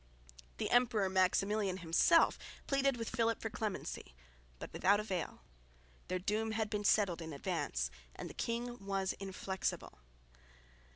The Emperor Maximilian himself pleaded with Philip for clemency, but without avail. Their doom had been settled in advance, and the king was inflexible.